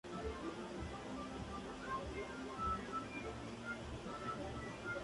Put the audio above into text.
El ingeniero uruguayo Walter Lavalleja fue el encargado de llevar a cabo el proyecto.